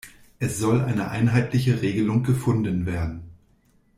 Es soll eine einheitliche Regelung gefunden werden.